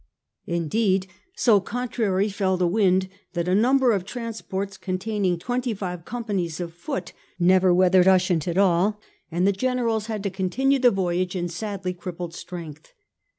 Indeed so contrary fell the wind that a number of transports containing twenty five companies of foot never weathered Ushant at all, and the generals had to continue the voyage in sadly crippled strength.